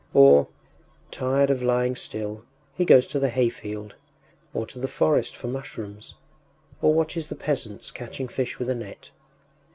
Or, tired of lying still, he goes to the hayfield, or to the forest for mushrooms, or watches the peasants catching fish with a net.